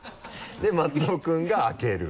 で松尾君が開ける。